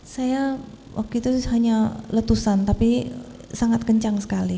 saya waktu itu hanya letusan tapi sangat kencang sekali